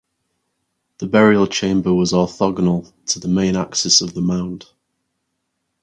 The burial chamber was orthogonal to the main axis of the mound.